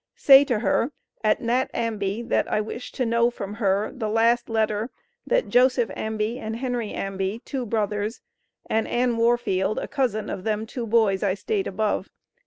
Say to her at nat Ambey that I wish to Know from her the Last Letar that Joseph Ambie and Henry Ambie two Brothers and Ann Warfield a couisin of them two boys I state above.